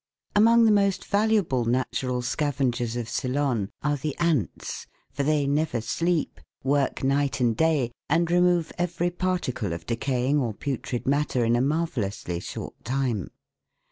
AMONG the most valuable natural scavengers of Ceylon are the ants, for they never sleep, work night and day, and remove every particle of decaying or putrid matter in a marvellously short time.